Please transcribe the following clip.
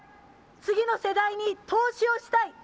次の世代に投資をしたい。